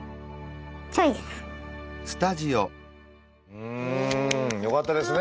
うん！よかったですね。